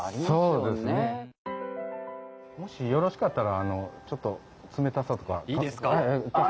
そうですねもしよろしかったらちょっと冷たさとかいいですか？